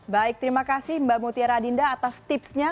baik terima kasih mbak mutiara adinda atas tipsnya